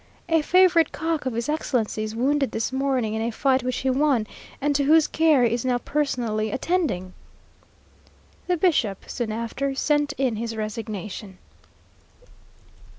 "A favourite cock of his excellency's, wounded this morning in a fight which he won, and to whose care he is now personally attending!" The bishop soon after sent in his resignation.